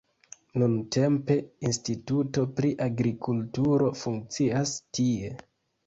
Nuntempe instituto pri agrikulturo funkcias tie.